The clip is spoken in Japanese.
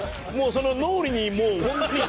その脳裏にもうホントに。